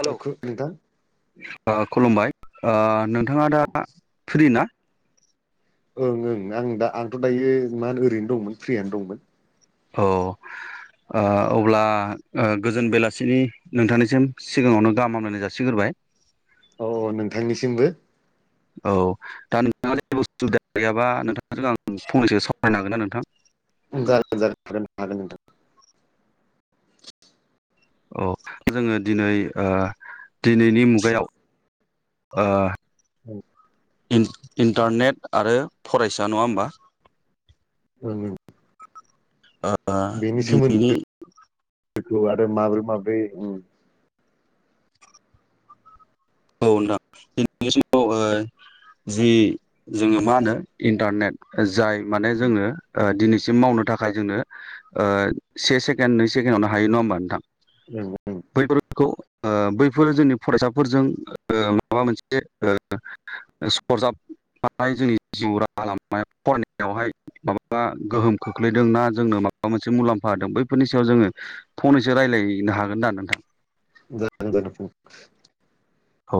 Hello [unintelligible] नोंथां। ओ खुलुमबाय ओ । नोंथाङा दा। फ्रि ना? ओं ओं आं दा आंथ दायो मा ओरैनो दंमोन फ्रियानो दंमोन औ ओ अब्ला ओ गोजोन बेलासिनि नोंथांनिसिम सिगाङावनो गाहाम हामलायनाय जासिगोरबाय औ औ नोंथांनिसिमबो औ दा नोंथाङा जेबो उसुबिदा गैयाबा नोंथांजों आं फंनैसो सावरायनो हागोन ना नोंथां जागोन जागोन हागोन हागोन नोंथां औ जोङो दिनै ओ दिनैनि मुगायाव ओ औ इन-इन्टारनेट आरो फरायसा नङा होमबा ओं ओं ओ बेनि सोमोन्दोखौ दिनैनि आरो माब्रै माब्रै ओम औ नोंथां दि समाव ओ जि जोङो मा होनो इन्टारनेट जाय माने ओं जोङो ओ दिनै सिम मावनो थाखाय जोंनो ओ से सेकेण्ड नै सेकेण्डआवनो हायो नङा होमबा नोंथां ओं बैफोरखौ ओ बैफोरो जोंनि फरायसाफोरजों ओ माबा मोनसे सरजाबनाय जोंनि जिउ राहा लामायाव फरायनायावहाय माबा गोहोम खोख्लैदों ना जोंनो माबा मोनसे मुलाम्फा होदों बैफोरनि सायाव जोङो फनैसो रायज्लायनो हागोना नोंथां जागोन जागोन जागोन औ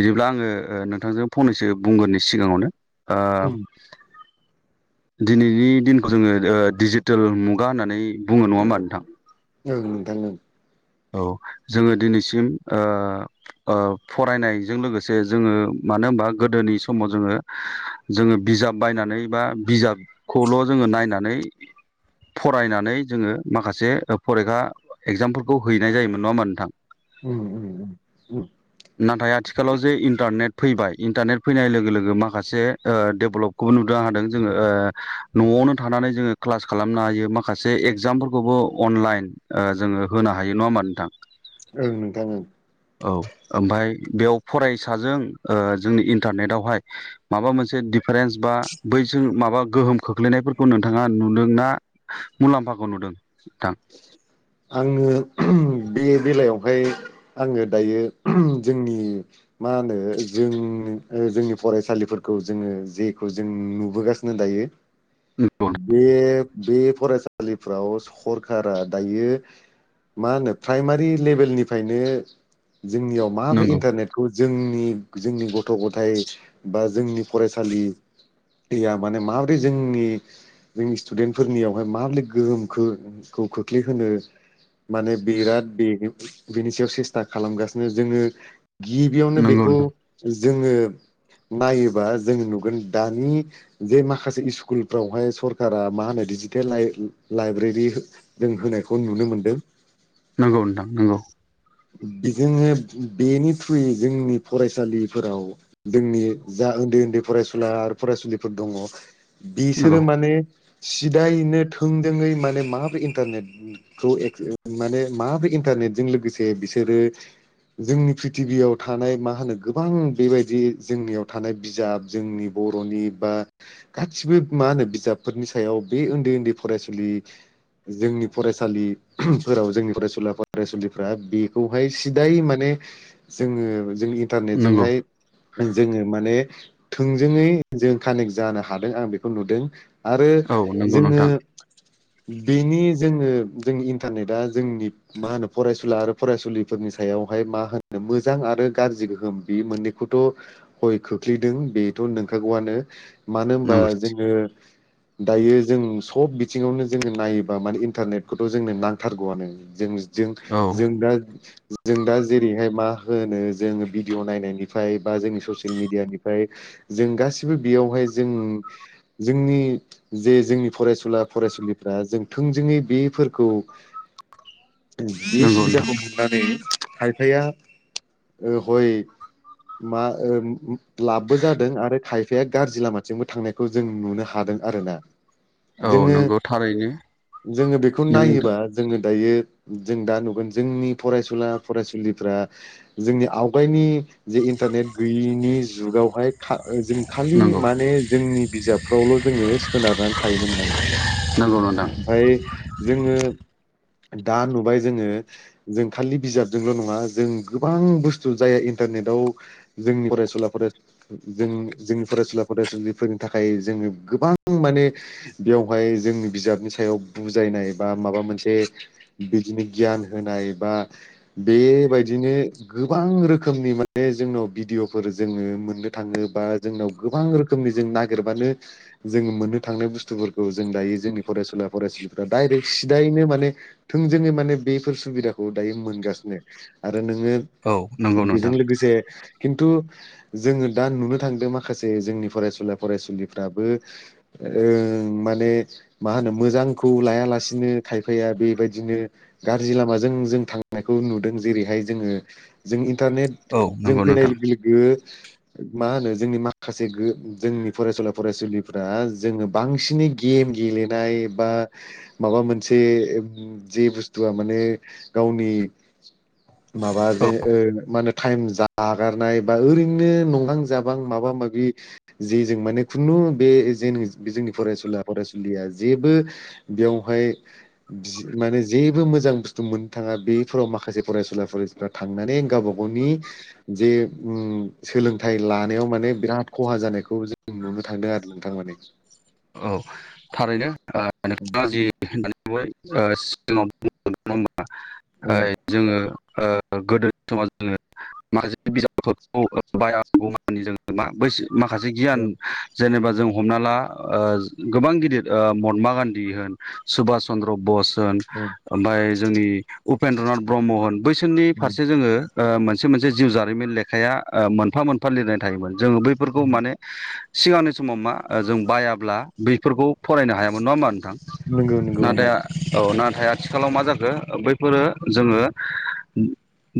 बिदिब्ला आङो नोंथांजों फनैसो बुंगोरनि सिगाङावनो ओ ओं दिनैनि दिनखौ जोङो ओ डिजिटेल मुगा होननानै बुङो नङा होमबा नोंथां ओं नोंथां ओं औ जोङो दिनैसिम ओ ओ फरायनायजों लोगोसे जोङो मानो होमबा गोदोनि समाव जोङो जोङो बिजाब बायनानै बा बिजाबखौल' जोङो नायनानै फरायनानै जोङो माखासे फरिखा इगजामफोर खौ हैनाय जायोमोन नङा होमबा नोंथां उम उम उम उम नाथाय आथिखालाव जे इन्टारनेट फैबाय इन्टारनेट फैनाय लोगो लोगो माखासे ओ डेभलबखौबो नुनो हादों जोङो ओ नआवनो थानानै जोङो क्लास खालामनो हायो माखासे इगजामफोरखौबो अनलाइन ओ जोङो होनो हायो नङा होमबा नोंथां ओं नोंथां ओं औ ओमफ्राय बेयाव फरायसाजों ओ जोंनि इन्टारनेट आवहाय माबा मोनसे दिफारेन्स बा बैजों माबा गोहोम खोख्लैनायफोरखौ नोंथाङा नुदों ना मुलाम्फाखौ नुदों नोंथां आङो बे बेलायावहाय आङो दायो जोंनि मा होनो जों ओ जोंनि फरायसालिफोरखौ जोङो जेखौ जों नुबोगासिनो दायो नंगौ बे बे फरायसालिफ्राव सरखारा दायो मा होनो प्राइमारि लेभेलनिफ्रायनो जोंनियाव माब्रै नंगौ इन्टारनेटखौ जोंनि जोंनि गथ' गथाइ बा जोंनि फरायसालिया माने माब्रै जोंनि जोंनि स्टुडेन्ट फोरनियावहाय माब्रै गोहोमखो खौ खोख्लैहोनो माने बिराद बेनो बिनि सायाव सेस्था खालामगासिनो जोङो गिबियावनो नंगौ बेखौ नोंथां जो जोङो नायोबा जोङो नुगोन दानि जे माखासे इस्कुलफ्रावहाय सरकारा मा होनो डिजिटेल लाइ-लाइब्रेरि हो जों होनायखौ नुनो मोनदों। नंगौ नोंथां नंगौ। जोङो बेनि थ्रुयै जोंनि फरायसालिफोराव जोंनि जा ओन्दै ओन्दै फरायसुला आरो फरायसुलिफोर दङ नंगौ बिसोरो माने सिदायैनो थोंजोङै माने माब इन्टारनेटखौ माने माब्रोरै इन्टारनेटजों लोगोसे बिसोरो जोंनि प्रिथिबियाव थानाय मा होनो गोबां बेबायदि जोंनियाव थानाय बिजाब जोंनि बर'नि बा गासिबो मा होनो बिजाबफोरनि सायाव बे ओन्दै ओन्दै फरायसुलि जोंनि फरायसालिफोराव जोंनि फरायसुला फरायसुलिफ्रा बेखौहाय सिदायै माने जोङो जों नंगौ इन्टारनेटजोंहाय जोङो माने थोंजोङै जों कानेक्ट जानो हादों आं बेखौ नुदों। आरो औ नंगौ जोङो नोंथां जोङो जों इन्टारनेटा जोंनि मा होनो फरायसुला आरो फरायसुलिफोरनि सायावहाय मा होनो मोजां आरो गाज्रि गोहोम बे मोननैखौथ' हय खोख्लैदों बेथ' नोंखागौआनो। मानो होनबा नंगौ जोङो दायो जों सब बिथिङावनो जोङो नायो बा माने इन्टारनेटखौथ' जोंनो नांथारगौआनो जों जों औ जों दा जों दा जेरैहाय मा होनो जों भिडिअ' नायनायनिफ्राय बा जोंनि ससियेल मिडियानिफ्राय जों गासिबो बेयावहाय जों जोंनि जे जोंनि फरायसुला फरायसुलिफ्रा जों थोंजोङै बेफोरखौ बे नंगौ नोंथां सुबिदाखौ मोननानै खायफाया हय मा लाबबो जादों आरो खाय‌ फाया गाज्रि लामाथिंबो थांनायखौ जों नुनो हादों आरो ना। औ नंगौ थारैनो। जोङो बेखौ नों नायोबा जोङो दायो जों दा नुगोन जोंनि फरायसुला फरायसुलिफ्रा जोंनि आवगायनि जे इन्टारनेट गैयिनि जुगावहाय खा जों खालि नंगौ माने जोंनि बिजाबफ्रावल' जोङो सोनारनानै थायोमोन माने। नंगौ नोंथां जोङो दा नुबाय जोङो जों खालि बिजाबजोंल' नङा जों गोबां बुस्थु जाय इन्टारनेटाव जोंनि फरायसुला फरायो जोंनि फरायसुला फरायसुलिफोरनि थाखाय जोङो गोबां माने बेयावहाय जोंनि बिजाबनि थाखाय सायाव बुजायनाय बा माबा मोनसे बिदिनो गियान होनाय बा बेबायदिनो गोबां रोखोमनि माने जोंनाव भिडिअ'फोर जोङो मोननो थाङो बा जोंनाव गोबां रोखोमनि जों नागिरबानो जोङो मोननो थांनाय बुस्थुफोरखौ जों दायो जोंनि फरायसुला फरायसालिफ्रा डायरेक्ट सिदायैनो माने थोंजोङै माने बेफोर सुबिदाखौ दायो मोनगासिनो आरो आरो नोङो औ नंगौ बेजों नोंथां लोगोसे खिन्थु जोङो दा नुनो थांदों माखासे जोंनि फरायसुला फरायसुलिफ्राबो ओं माने मा होनो मोजांखौ लायालासिनो खायफाया बेबायदिनो गारजि लामाजों जों थांनायखौ नुदों जेरैहाय जोङो जों औ इन्टारनेटजों नंगौ फैनाय नोंथां लोगो लोगो मा होनो जोंनि माखासे जोंनि फरायसुला फरायसुलिफ्रा जोङो बांसिनै गेम गेलेनाय बा माबा मोनसे जे बुस्थुआ माने गावनि माबा औ जेन ओ मा होनो टाइम जागारनाय बा ओरैनो नंगां जाबां माबा माबि जे जों माने खुनु बे ज जोंनि फरायसुला फरायसुलिया जेबो बेयावहाय सि माने जेबो मोजां बुस्थु मोननो थांङा बे फोराव माखासे फरायसुला फरायसुलिफ्रा थांनानै गावबा गावनि जे उम सोलोंथाइ लानायाव माने बिराद खहा जानायखौ जों नुनो थांदों आरो नोंथां माने औ थारैनो ओ नोंथांङा जि होननानै बु ओ सिगांङाव [inaudible] ओं आइ जोङो [inaudible] ओ गोदोनि स [unintelligible] व जोङो माखासे बिजाबफोरखौ बायागौ मानि जोङो मा बैस माखासे गियान ओं जेनेबा जों हमना ला ओज गोबां गिदिर दिद ओ महात्मा गान्धी होन सुभास चन्द्र बस होन ओमफाय जोंनि उपेन्द्रनाथ ब्रह्म होन बैसोरननि ओं फारसे जोंङो ओ मोनसे मोनसे जिउ जारिमिन लेखाया ओ मोनफा मोनफा लिरनाय थायोमोन जोंङो बैफोरखौ माने सिगांनि समाव मा ओ जों बायाब्ला बिफोरखौ फरायनो हायामोन नंङा होमबा नंगौ थां नंगौ नाथाया औ ना थाय आथिखालाव मा जाखो बैफोरो जोंङो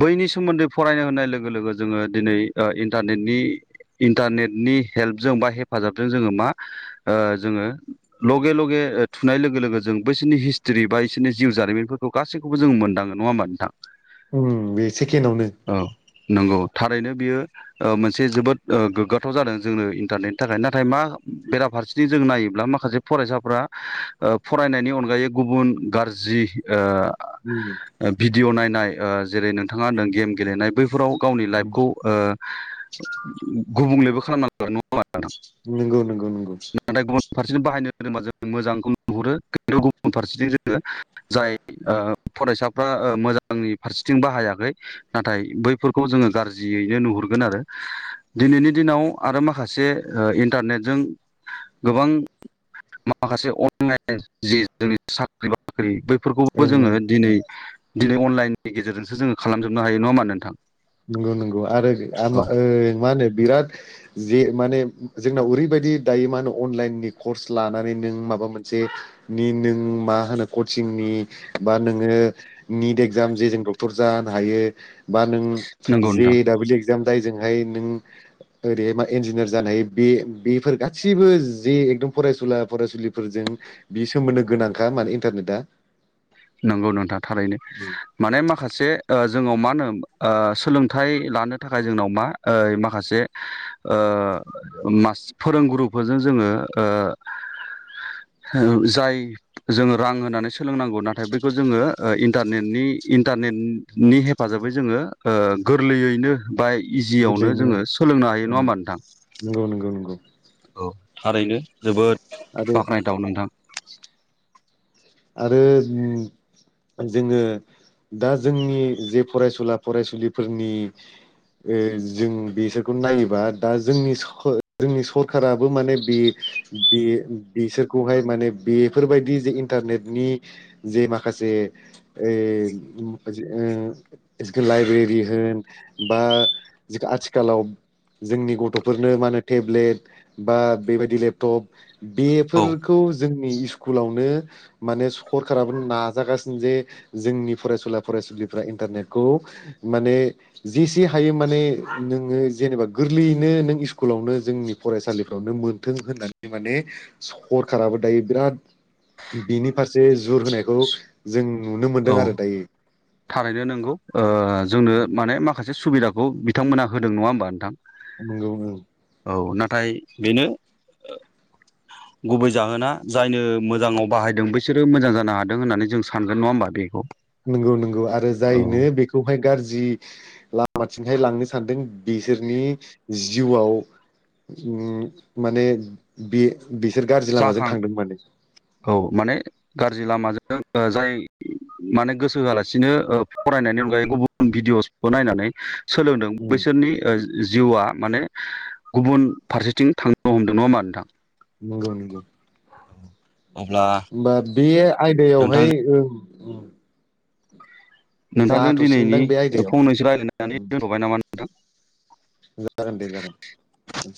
बैनि सोमोन्दै फरायनो होननाय लोगो लोगो जोंङो दिनै ओ इन्टारनेटनि इन्टारनेटनि हेल्पजों बा हेफाजाबजों जोंङो मा ओ जोंङो लगे लगे ओ थुनाय लोगो लोगो जों बैसिनि हिस्टरि बा इसोरनि जिउ जारिमिनफोरखौ गासैखौबो जों मोनदांङो नंङा होमबा नोंथां? उम बे सेकेणावनो नोंगौ थारैनो बियो ओ मोनसे जोबोद ओ गोग्गाथाव जादों जोंनो इन्टारनेटनि थाखाय नाथाय मा बेराफारसेथिं जों नायोब्ला मा खायसे फरायसाफ्रा ओ फरायनायनि अनगायै गुबुन गारजि ओ [unintelligible] डिअ नायनाय जेरै नोंथांङा होनदों गेम गेलेनाय बैफोराव गावनि उम लाइफखौ ओ गुबुंलेबो खालामनां [unintelligible] नङा [unintelligible] नोंगौ नोंगौ नोंगौ रसेथिं बाहायनो रो [unintelligible] बा जों मोजां [unintelligible] नुहुरो [unintelligible] न्थु गुबुन फा [unintelligible] सेथिं जोङो जाय ओ फरायसाफ्रा ओ मोजांनि फारसेथिं बाहायाखै नाथाय बैफोरखौ जोङो गारजियैनो नुहुरगोन आरो दिनैनि दिनाव आरो माखासे ओ इन्टारनेटजों गोबां मा [unintelligible] से अ [unintelligible] ला [unintelligible] न जि जो [unintelligible] नि साख्रि बाख्रि बै फोरखौबो जोंङो ओं दिनै दिनै अनलाइननि गेजेरजोंसो जोंङो खालामजोबनो हायो नंङा होमबा नोंथां? नोंगौ नोंगौ आरोगो औ मा ओ माहोनो बिराद जे माने जोंनाव ओरैबायदि दायो मा अन अनलाइननि कर्स लानानै नों माबा मोनसे निनों मा होनो कचिंनि बा नोंङो निट एक्जाम जे जों डक्टर जानो हायो बा नों नंगौ नोंथां जेदाबले एक [inaudible] जाम जायजोंहाय नों ओरैहाय मा इन्जिनियार जानोहायो बे बेफोर गासैबो जे एकदम फरायसुला फरायसुलिफोरजों बि सोमोन्दो गोनांखा माने इन्टारनेटआ नोंगौ नोंथां थारैनो माने माखासे ओ जोङाव मा ओनो ओ सोलोंथाइ लानो थाखाय जोंनाव मा ओइ माखासे ओ मास फोरोंगुरुफोरजों जोङो ओ जाय जोङो रां होनानै सोलोंनांगौ नाथ थाय बैखौ जोङो ओ इन्टारनेटनि इन्टारनेटनि हेफाजाबै जोङो ओ गोरलैयैनो बा इजियावनो गोरलैयैनो जोङो सोलोंनो हायो नङा ओं ओमबा नोंथां? नंगौ नंगौ नंगौ औ थारैनो जोबोद आरो बाख्नायथाव नोंथां । आरो जोङो दा जोंनि जे फरायसुला फरायसुलिफोरनि ओ जों बेसोरखौ नायोबा दा जोंनि सखो जोंनि सरखाराबो माने बे-बे बिसोरखौहाय माने बेफोरबायदि जेन इन्टारनेटनि जे माखासे ओइ उम आजि ओ इसखोल लाइब्रेरि होन बा जिग-आथिखालाव जोंनि गथ'फोरनो मा होनो टेब्लेट बा बेबायदि लेपटप औ बेफोरखौ जोंनि स्कुलावनो माने सरखाराबो नाजागासिनो जे जोंनि फरायसुला फरायसुलिफ्रा इन्टारनेटखौ माने जेसे हायो माने नोङो जेनेबा गोरलैयैनो नों स्कुलावनो जोंनि फरायसालिफ्रावनो मोनथों होननानै माने सरखाराबो दायो बिराद बिनि फारसे जुर होनायखौ जों नुनो औ मोनदों आरो दायो । थारैनो नंगौ ओ जोंनो माने माखासे से सुबिदाखौ बिथांमोनहा होदों नङा होमबा नोंथां? नोंगौ नों औ नाथाय बेनो गुबै जाहोना जायनो मोजाङाव बाहायदों बैसोरो मोजां जानो हादों होननानै जों सानगोन नङा होमबा बेख'। नंगौ नंगौ आरो जायनो बेखौहाय गाज्रि लामाथिंहाय लांनो सानदों बिसोरनि जिउआव उम माने बे बिसोर गाज्रि लामाजों जाखां थांदों माने औ माने गाज्रि लामाजो ओ आ जाय माने गोसो होआलासिनो ओ फरायनायनि अनगायै गुबुन भिडिअ'स नायनानै सोलोंदों उम बैसोरनि ओस जिउआ माने गुबुन फारसेथिं थांनो हमदों नङा मा नोंथां? नंगौ नंगौ अब्ला होमबा बे आयदायावहाय नोंथांजों ओ उम नोंथांजों दिनैनि बे आयदायाव फंनैसो रायलायनानै दोनथ'बाय नामा [unintelligible] जागोन दे जागोन